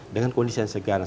dengan kondisi yang sekarang